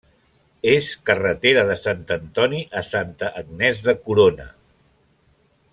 És carretera de Sant Antoni a Santa Agnès de Corona.